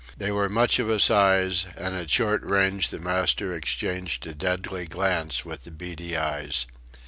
They were much of a size, and at short range the master exchanged a deadly glance with the beady eyes.